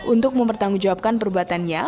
untuk mempertanggungjawabkan perbuatannya